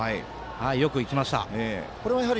よくいきました。